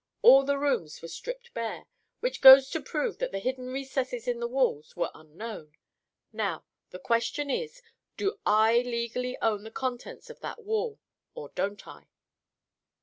All the rooms were stripped bare, which goes to prove that the hidden recesses in the walls were unknown. Now, the question is, do I legally own the contents of that wall, or don't I?"